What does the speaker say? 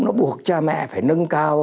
nó buộc cha mẹ phải nâng cao